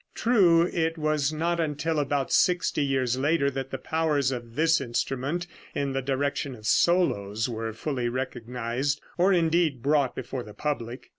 True, it was not until about sixty years later that the powers of this instrument in the direction of solos were fully recognized, or, indeed, brought before the public.